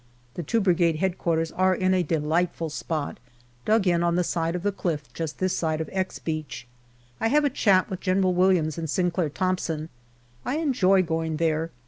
The two Brigade H.Q. are in a delightful spot, dug in on the side of the cliff just this side of " X " Beach. I have a chat with General Williams and Sinclair Thompson. I enjoy going there.